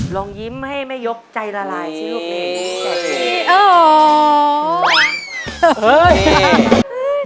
ลองยิ้มให้ไม่ยกใจละลายชื่อลูกเอง